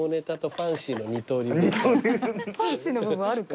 ファンシーの部分あるか。